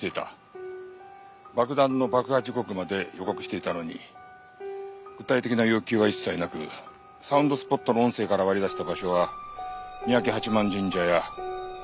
爆弾の爆破時刻まで予告していたのに具体的な要求は一切なくサウンドスポットの音声から割り出した場所は三宅八幡神社や広沢池。